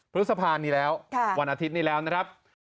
พฤษภานี้แล้ววันอาทิตย์นี้แล้วนะครับ